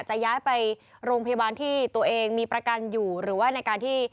จะย้ายไปโรงพยาบาลที่ตัวเองมีประกันอยู่หรือว่าในการที่